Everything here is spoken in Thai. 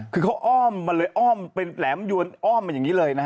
คือเขาอ้อมมาเลยอ้อมเป็นแหลมยวนอ้อมมาอย่างนี้เลยนะฮะ